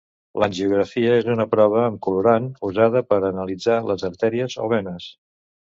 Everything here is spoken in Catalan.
L'angiografia és una prova amb colorant usada per a analitzar les artèries o venes.